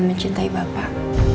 dan mencintai bapak